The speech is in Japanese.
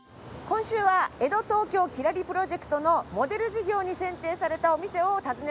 今週は江戸東京きらりプロジェクトのモデル事業に選定されたお店を訪ねます。